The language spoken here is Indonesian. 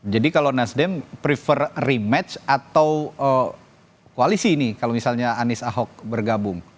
jadi kalau nasdem prefer rematch atau koalisi ini kalau misalnya anies ahok bergabung